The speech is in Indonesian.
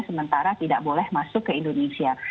sementara tidak boleh masuk ke indonesia